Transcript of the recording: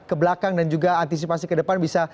kebelakang dan juga antisipasi ke depan bisa